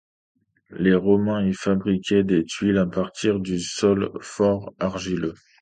Les Romains y fabriquaient des tuiles à partir du sol fort argileux.